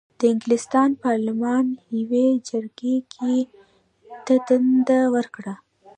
د انګلستان پارلمان یوې جرګه ګۍ ته دنده ورکړه.